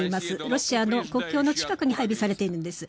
ロシアの国境の近くに配備されているんです。